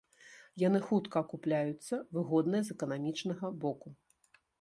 Яны хутка акупляюцца, выгодныя з эканамічнага боку.